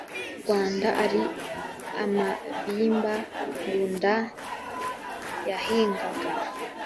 rwanda ari amabimba ngunda yahingaga